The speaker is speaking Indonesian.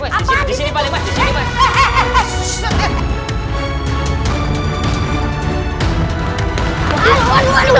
heheheh disini balik mas disini mas